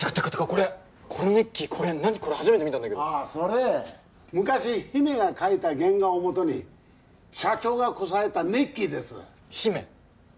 これこのネッキーこれ何これ初めて見たんだけどああそれ昔姫が描いた原画をもとに社長がこさえたネッキーです姫？